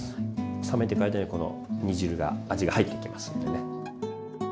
冷めてく間にこの煮汁が味が入っていきますんでね。